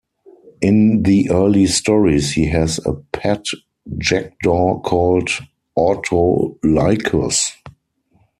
In the early stories he has a pet jackdaw called Autolycus.